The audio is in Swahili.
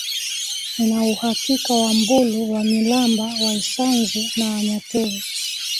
nina uhakika Wambulu Wanyilamba Waisanzu na Wanyaturu